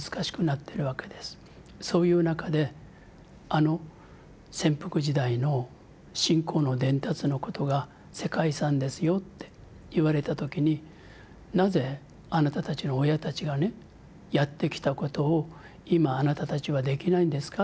そういう中であの潜伏時代の信仰の伝達のことが「世界遺産ですよ」って言われた時に「なぜあなたたちの親たちがねやってきたことを今あなたたちはできないんですか？」